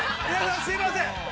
すいません。